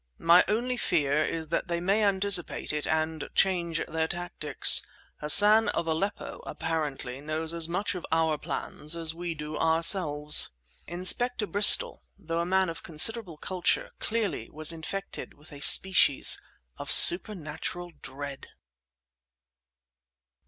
My only fear is that they may anticipate it and change their tactics. Hassan of Aleppo apparently knows as much of our plans as we do ourselves." Inspector Bristol, though a man of considerable culture, clearly was infected with a species of supernatural dread.